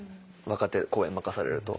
若手公演任されると。